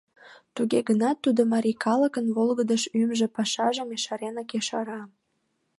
Туге гынат тудо марий калыкын волгыдыш ӱжмӧ пашажым ешаренак ешара.